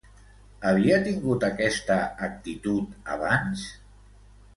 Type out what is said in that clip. Havia tingut aquesta actitud abans?